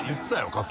春日。